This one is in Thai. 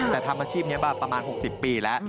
แต่ทำอาชีพนี้มาประมาณ๖๐ปีแล้ว